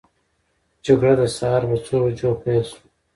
جګړه د سهار په څو بجو پیل سوه؟